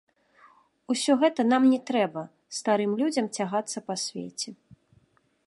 Усё гэта нам не трэба, старым людзям цягацца па свеце!